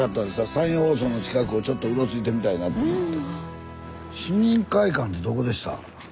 山陽放送の近くをちょっとうろついてみたいなと思って。